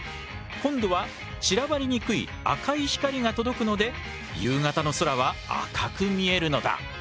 今度は散らばりにくい赤い光が届くので夕方の空は赤く見えるのだ。